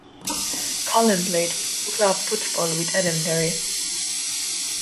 Cullen played club football with Edenderry.